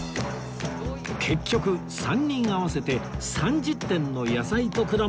結局３人合わせて３０点の野菜と果物を爆買い！